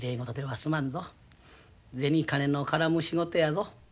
銭金の絡む仕事やぞ。